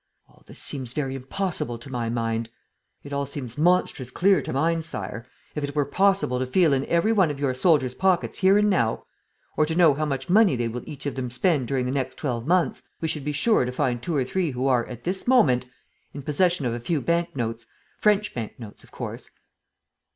"All this seems very impossible to my mind." "It all seems monstrous clear to mine, Sire! If it were possible to feel in every one of your soldiers' pockets here and now, or to know how much money they will each of them spend during the next twelve months, we should be sure to find two or three who are, at this moment, in possession of a few bank notes: French bank notes, of course."